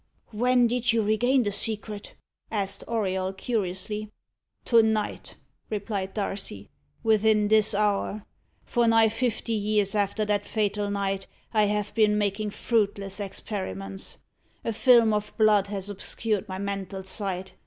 "When did you regain the secret?" asked Auriol curiously. "To night," replied Darcy "within this hour. For nigh fifty years after that fatal night I have been making fruitless experiments. A film of blood has obscured my mental sight.